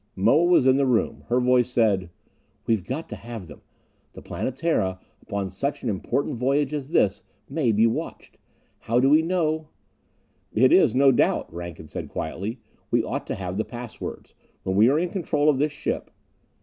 Moa was in the room. Her voice said: "We've got to have them. The Planetara, upon such an important voyage as this, may be watched. How do we know " "It is, no doubt," Rankin said quietly. "We ought to have the pass words. When we are in control of this ship...."